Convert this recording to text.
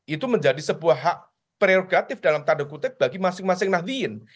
itu menjadi sebuah hak prerogatif dalam tanda kutip bagi masing masing nahdiin